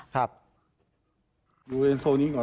ครับโดยเซเซวนี้ก่อน